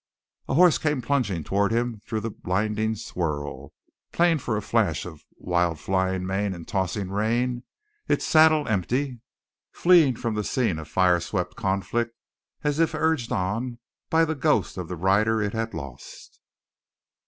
A horse came plunging toward him through the blinding swirl, plain for a flash of wild flying mane and tossing rein, its saddle empty, fleeing from the scene of fire swept conflict as if urged on by the ghost of the rider it had lost.